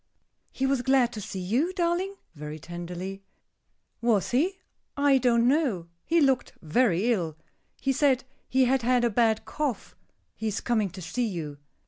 "He was glad to see you, darling?" very tenderly. "Was he? I don't know. He looked very ill. He said he had had a bad cough. He is coming to see you."